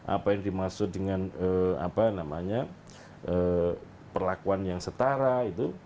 apa yang dimaksud dengan perlakuan yang setara itu